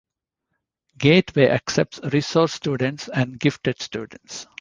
Gateway accepts resource students and gifted students.